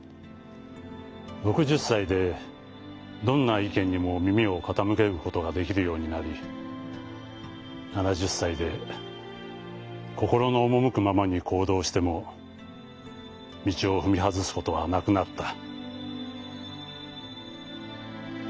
６０さいでどんない見にも耳をかたむけることができるようになり７０さいで心のおもむくままに行どうしても道をふみ外すことは無くなった」。